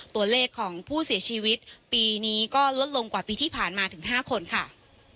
ตัวเลขของผู้เสียชีวิตปีนี้ก็ลดลงกว่าปีที่ผ่านมาถึง๕คนค่ะ